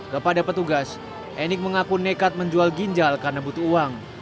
kepada petugas enik mengaku nekat menjual ginjal karena butuh uang